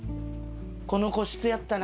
この個室やったな。